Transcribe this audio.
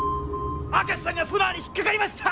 明石さんがソナーに引っ掛かりました！